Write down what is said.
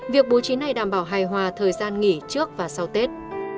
việc bố trí này đảm bảo hài hòa thời gian nghỉ trước và sau tết